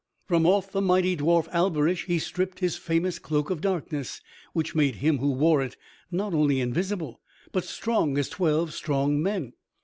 From off the mighty dwarf, Alberich, he stripped his famous Cloak of Darkness, which made him who wore it not only invisible, but strong as twelve strong men.